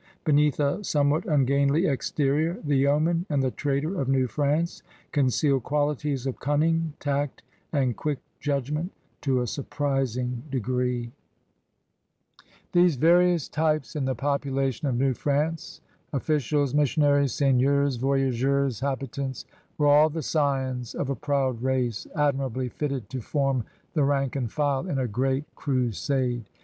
Beneath a somewhat ungainly exterior the yeoman and the trader of New France concealed qualities of cunning, tact, and quick judgment to a surprising d^ree. HOW THE PEOPLE LIVED ««7 These various types in the population of New France, o£SciaIs, missionaries, seigneurs, voyageurs, habitants, were all the scions of a proud race, admirably fitted to form the rank and file in a great crusade.